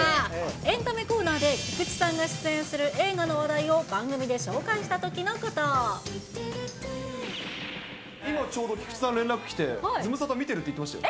エンタメコーナーで菊池さんが出演する映画の話題を番組で紹介し今、ちょうど菊池さん、連絡来て、ズムサタ見てるって言ってましたよ。